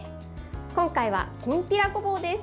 今回はきんぴらごぼうです。